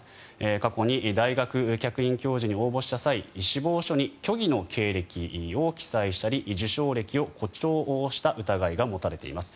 過去に大学の客員教授に応募した際に応募した際志望書に虚偽の経歴を記載したり受賞歴を誇張した疑いが持たれています。